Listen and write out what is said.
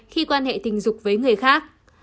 khi quan hệ tình dục với người khác